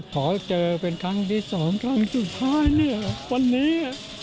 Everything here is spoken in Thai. ขอเจอเป็นครั้งที่สองครั้งสุดท้ายเนี่ยวันนี้